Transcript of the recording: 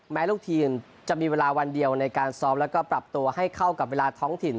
ลูกทีมจะมีเวลาวันเดียวในการซ้อมแล้วก็ปรับตัวให้เข้ากับเวลาท้องถิ่น